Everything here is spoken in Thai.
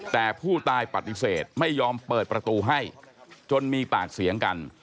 แต่ผู้ตายปฏิเสธไม่ยอมเปิดประตูให้จนมีปากเสียงกัน